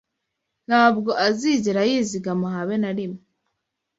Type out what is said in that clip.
ntabwo azigera yizigama habe narimwe